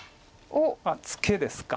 あっツケですか。